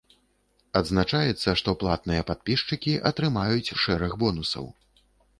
Адзначаецца, што платныя падпісчыкі атрымаюць шэраг бонусаў.